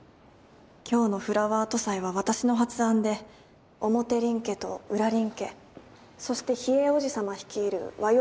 今日のフラワーアート祭は私の発案で表林家と裏林家そして秘影叔父さま率いる和洋